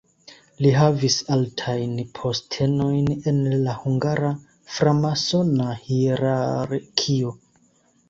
Li havis altajn postenojn en la hungara framasona hierarkio.